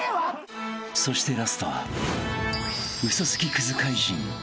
［そしてラストは嘘つきクズ怪人］